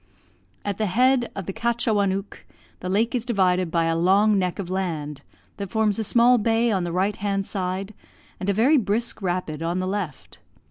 At the head of the Katchawanook, the lake is divided by a long neck of land, that forms a small bay on the right hand side, and a very brisk rapid on the left.